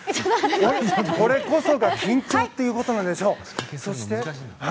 これこそが緊張ということなんでしょう。